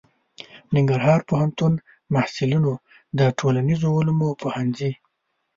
ننګرهار پوهنتون محصلینو د ټولنیزو علومو پوهنځي